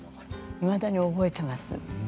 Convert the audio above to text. いまだに覚えています。